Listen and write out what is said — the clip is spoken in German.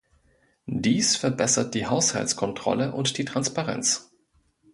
Dies verbessert die Haushaltskontrolle und die Transparenz.